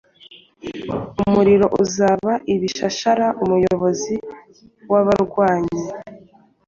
Umuriro uzaba ibishashara umuyobozi wabarwanyi